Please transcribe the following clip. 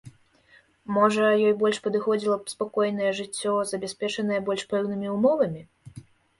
Можа, ёй больш падыходзіла б спакойнае жыццё, забяспечанае больш пэўнымі ўмовамі?